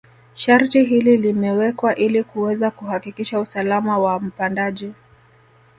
Sharti hili limewekwa ili kuweza kuhakikisha usalama wa mpandaji